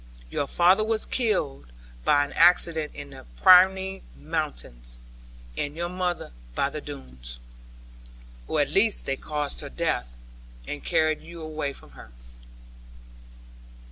Your father was killed by an accident in the Pyrenean mountains, and your mother by the Doones; or at least they caused her death, and carried you away from her.'